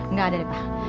nggak ada depah